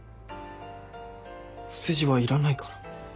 お世辞はいらないから。